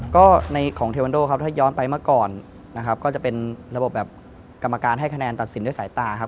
ก็ในของเทวันโดครับถ้าย้อนไปเมื่อก่อนนะครับก็จะเป็นระบบแบบกรรมการให้คะแนนตัดสินด้วยสายตาครับ